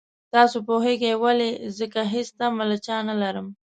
تاسو پوهېږئ ولې ځکه هېڅ تمه له چا نه لرم.